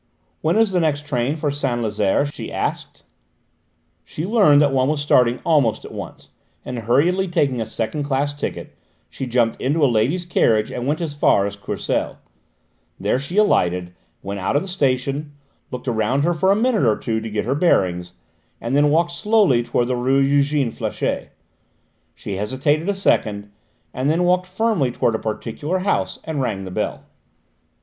"When is the next train for Saint Lazaire?" she asked. She learned that one was starting almost at once, and hurriedly taking a second class ticket she jumped into a ladies' carriage and went as far as Courcelles. There she alighted, went out of the station, looked around her for a minute or two to get her bearings, and then walked slowly towards the rue Eugène Flachat. She hesitated a second, and then walked firmly towards a particular house, and rang the bell.